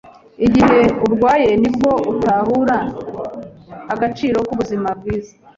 Igihe urwaye ni bwo utahura agaciro k'ubuzima bwiza.